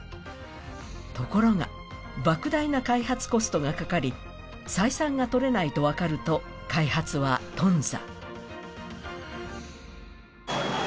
ところが、ばく大な開発コストがかかり、採算が取れないと分かると開発は頓挫。